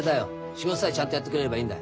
仕事さえちゃんとやってくれればいいんだ。